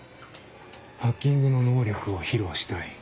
ハッキングの能力を披露したい。